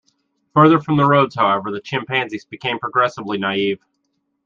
Further from the roads, however, the chimpanzees become progressively "naive".